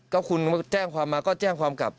ก็คุณแจ้งความมาก็แจ้งความกลับ